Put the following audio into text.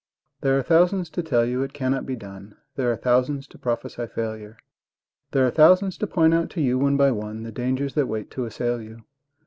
There are thousands to tell you it cannot be done, There are thousands to prophesy failure; There are thousands to point out to you one by one, The dangers that wait to assail you.